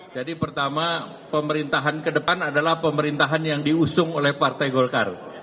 jadi pertama pemerintahan ke depan adalah pemerintahan yang diusung oleh partai golkar